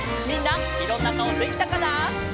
みんないろんなかおできたかな？